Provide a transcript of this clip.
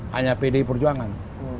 hanya pdi perjuangan